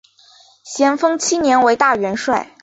咸丰七年为大元帅。